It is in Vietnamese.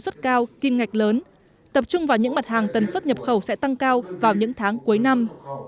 xuất cao kim ngạch lớn tập trung vào những mặt hàng tần suất nhập khẩu sẽ tăng cao vào những tháng cuối năm